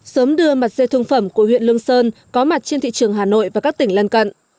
sớm đưa mặt dê thương phẩm của huyện lương sơn có mặt trên thị trường hà nội và các tỉnh lân cận